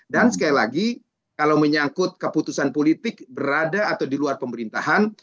dan sekali lagi kalau menyangkut keputusan politik berada atau di luar pemerintahan